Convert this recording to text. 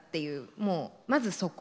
もうまずそこ。